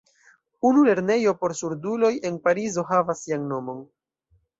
Unu lernejo por surduloj en Parizo havas sian nomon.